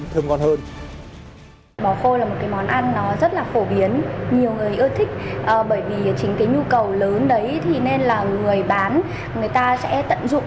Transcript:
thịt bò khô kia được người bán phù phép từ nguyên liệu gì